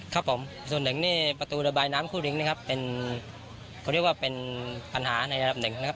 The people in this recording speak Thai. ครับผมส่วนหนึ่งนี่ประตูระบายน้ำคู่ลิงนะครับเป็นเขาเรียกว่าเป็นปัญหาในระดับหนึ่งนะครับ